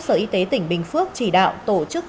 sở y tế tỉnh bình phước chỉ đạo tổ chức